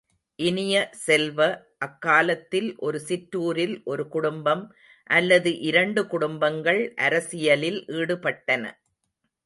இனிய செல்வ, அக்காலத்தில் ஒரு சிற்றூரில் ஒரு குடும்பம் அல்லது இரண்டு குடும்பங்கள் அரசியலில் ஈடுபட்டன.